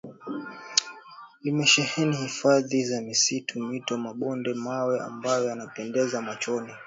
limesheheni hifadhi za misitu mito mabonde mawe ambayo yanapendeza machoni